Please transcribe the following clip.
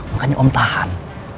makanya om tahan